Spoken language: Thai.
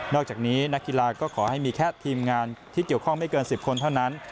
อกจากนี้นักกีฬาก็ขอให้มีแค่ทีมงานที่เกี่ยวข้องไม่เกิน๑๐คนเท่านั้น